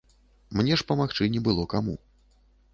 Мне ж памагчы не было каму.